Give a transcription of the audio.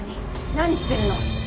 何してるの！？